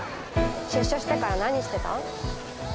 出所してから何してた？